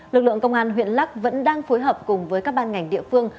lực lượng công an huyện lắc vẫn đang phối hợp cùng với các ban ngành địa phương